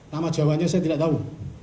nama jawanya saya tidak tahu